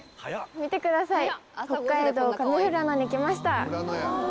見てください。